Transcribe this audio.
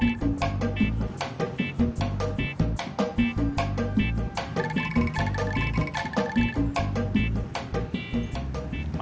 butuh tuh orang emas